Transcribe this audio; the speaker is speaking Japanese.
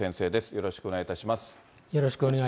よろしくお願いします。